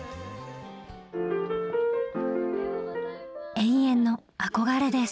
永遠の憧れです。